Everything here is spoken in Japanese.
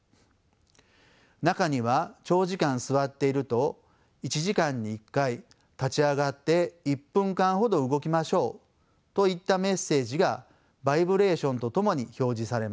中には長時間座っていると１時間に１回「立ち上がって１分間ほど動きましょう」といったメッセージがバイブレーションとともに表示されます。